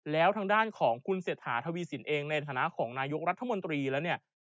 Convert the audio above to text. แล้วทางด้านของคุณเศรษฐาทวีสินเองในฐานะของนายกรัฐมนตรีแล้วเนี่ย